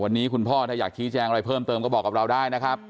วันนี้คุณพ่อถ้าอยากชี้แจงอะไรเพิ่มเติมก็บอกกับเราได้นะครับ